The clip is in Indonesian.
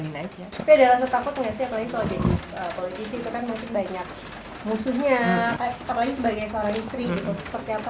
tapi adalah setakut nggak sih apalagi kalau jadi politisi itu kan mungkin banyak musuhnya